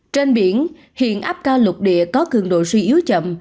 trên biển hiện áp cao lục địa có cường độ suy yếu chậm